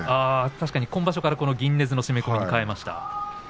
確かに今場所からこの銀ねずの締め込みに替えました。